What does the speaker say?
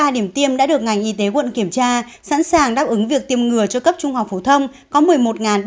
hai mươi ba điểm tiêm đã được ngành y tế quận kiểm tra sẵn sàng đáp ứng việc tiêm ngừa cho cấp trung học phổ thông